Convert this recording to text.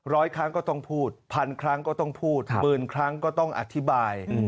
ร้อยครั้งก็ต้องพูดพันครั้งก็ต้องพูดหมื่นครั้งก็ต้องอธิบาย